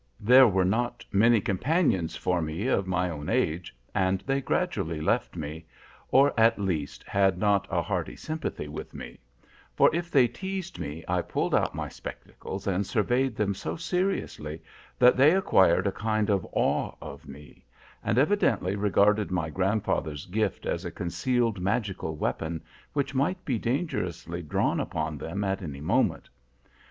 There were not many companions for me of my own age, and they gradually left me, or, at least, had not a hearty sympathy with me; for if they teased me I pulled out my spectacles and surveyed them so seriously that they acquired a kind of awe of me, and evidently regarded my grandfather's gift as a concealed magical weapon which might be dangerously drawn upon them at any moment.